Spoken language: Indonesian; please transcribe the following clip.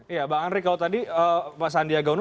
iya bang andre kalau tadi pak sandiaga uno